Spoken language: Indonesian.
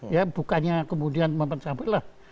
ya bukannya kemudian mempercabalah